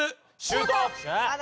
シュート！